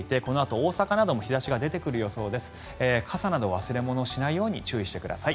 傘など、忘れ物をしないように注意してください。